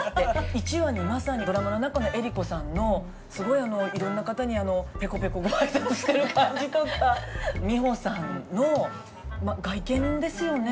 １話にまさにドラマの中の江里子さんのすごいいろんな方にペコペコご挨拶してる感じとか美穂さんの外見ですよね。